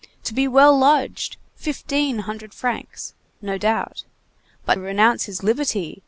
To be well lodged! Fifteen hundred francs! No doubt. But renounce his liberty!